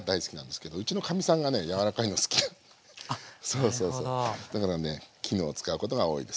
そうそうそうだからね絹を使うことが多いですね。